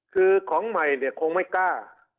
คือของใหม่เนี่ยคงไม่กล้า